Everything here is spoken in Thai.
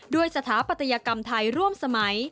สถาปัตยกรรมไทยร่วมสมัย